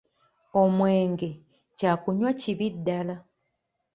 Omwenge kyakunywa kibi ddala.